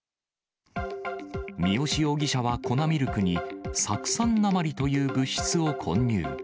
三好容疑者は粉ミルクに、酢酸鉛という物質を混入。